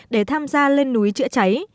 để tham gia lên núi chữa cháy